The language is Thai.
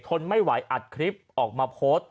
ทนไม่ไหวอัดคลิปออกมาโพสต์